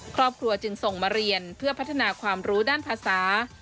ครอบครัวจึงส่งมาเรียนเพื่อพัฒนาความรู้ด้านภาษา